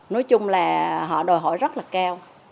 nói chung là họ đòi hỏi rất là cao